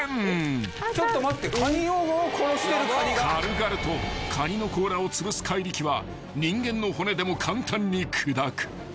［軽々とカニの甲羅をつぶす怪力は人間の骨でも簡単に砕く］